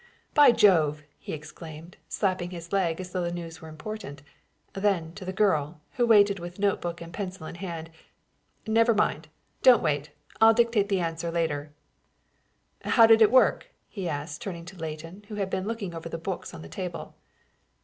"By Jove!" he exclaimed, slapping his leg as though the news were important. Then, to the girl, who waited with note book and pencil in hand: "Never mind; don't wait. I'll dictate the answer later." "How did it work?" he asked, turning to Leighton, who had been looking over the books on the table.